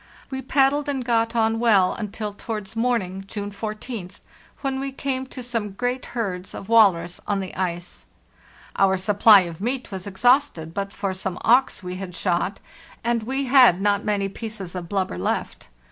We paddled and got on well until towards morn ing (June 14th), when we came to some great herds of walrus on the ice. Our supply of meat was exhausted but for some auks we had shot, and we had not many pieces of blubber left.